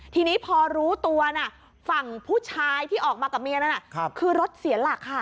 ทีนี้พอรู้ตัวนะฝั่งผู้ชายที่ออกมากับเมียนั้นคือรถเสียหลักค่ะ